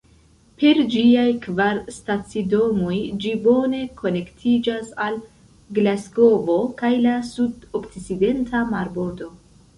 Per ĝiaj kvar stacidomoj ĝi bone konektiĝas al Glasgovo kaj la sudokcidenta marbordo.